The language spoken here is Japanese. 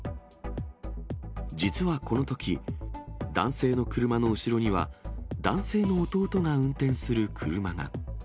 実はこのとき、男性の車の後ろには、男性の弟が運転する車が。